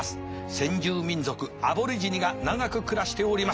先住民族アボリジニが長く暮らしております。